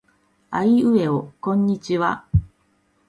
あいうえおこんにちは。